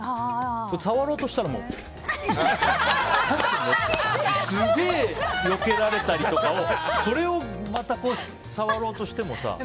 触ろうとしたら、もうすげえよけられたりとかをそれを触ろうとしてもさ。